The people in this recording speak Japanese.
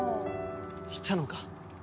いたのか。